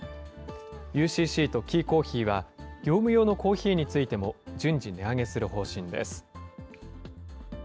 ＵＣＣとキーコーヒーは、業務用のコーヒーについても順次、値上げする方針です。